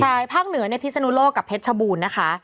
ใช่ภาคเหนือในพิศนุโลกกับเพชรชบูรณ์นะคะ